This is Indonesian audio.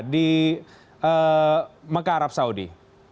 di mekah arab saudi